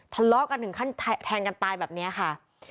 ทะเลาะกันถึงขั้นแทงกันตายแบบนี้ค่ะ